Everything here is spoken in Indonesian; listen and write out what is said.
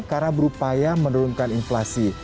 karena berupaya menurunkan inflasi